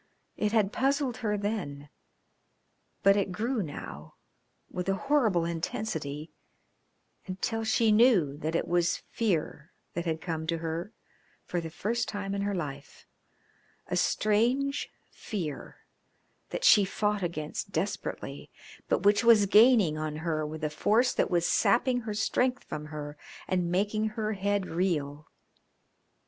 It had puzzled her then, but it grew now with a horrible intensity, until she knew that it was fear that had come to her for the first time in her life a strange fear that she fought against desperately, but which was gaining on her with a force that was sapping her strength from her and making her head reel.